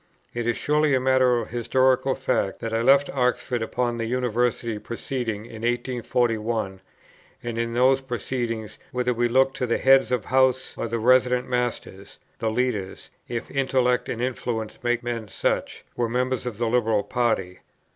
It is surely a matter of historical fact that I left Oxford upon the University proceedings of 1841; and in those proceedings, whether we look to the Heads of Houses or the resident Masters, the leaders, if intellect and influence make men such, were members of the Liberal party.